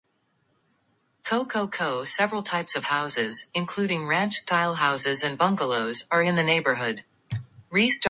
Several types of houses, including ranch-style houses and bungalows, are in the neighborhood.